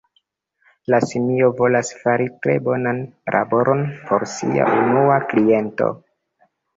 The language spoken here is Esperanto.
La simio volas fari tre bonan laboron por sia unua kliento.